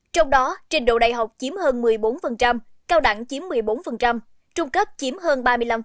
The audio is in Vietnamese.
trong đó trình độ đại học chiếm hơn một mươi bốn cao đẳng chiếm một mươi bốn trung cấp chiếm hơn ba mươi năm